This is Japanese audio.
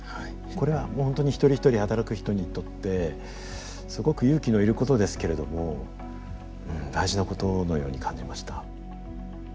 これは本当に一人一人働く人にとってすごく勇気のいることですけれどもうん大事なことのように感じました。